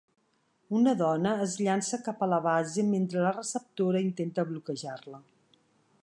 Una dona es llança cap a la base mentre la receptora intenta bloquejar-la.